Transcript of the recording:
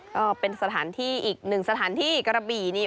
ก็เป็นสถานที่อีกหนึ่งสถานที่กระบี่นี่